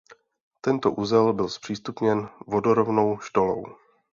Tento uzel byl zpřístupněn vodorovnou štolou.